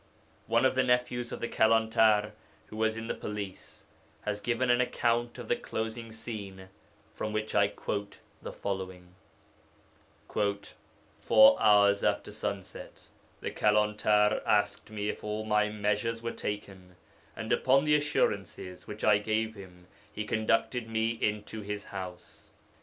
One of the nephews of the Kalantar, who was in the police, has given an account of the closing scene, from which I quote the following: 'Four hours after sunset the Kalantar asked me if all my measures were taken, and upon the assurances which I gave him he conducted me into his house.